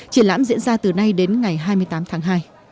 triển lãm diễn ra từ nay đến ngày hai mươi tám tháng hai